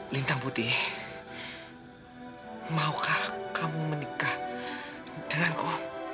lintang putih maukah kamu menikah denganku